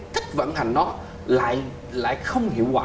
cách vận hành đó lại không hiệu quả